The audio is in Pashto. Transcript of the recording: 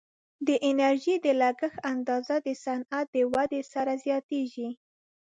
د انرژي د لګښت اندازه د صنعت د ودې سره زیاتیږي.